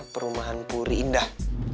perumahan puri indah